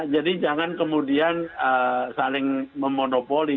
jadi jangan kemudian saling memonopoli